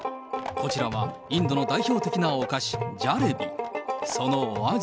こちらはインドの代表的なお菓子、ジャレビ。